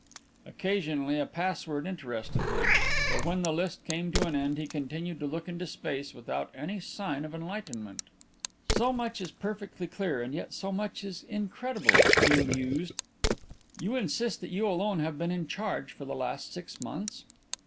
Occasionally a password interested him. But when the list came to an end he continued to look into space without any sign of enlightenment. "So much is perfectly clear and yet so much is incredible," he mused. "You insist that you alone have been in charge for the last six months?"